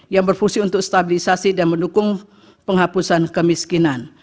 yang berfungsi untuk stabilisasi dan mendukung penghapusan kemiskinan